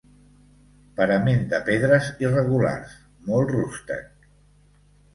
Parament de pedres irregulars, molt rústec.